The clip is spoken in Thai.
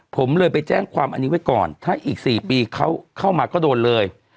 ผมเลยไปแจ้งความอันนี้ไว้ก่อนถ้าอีก๔ปีเขาเข้ามาก็โดนเลย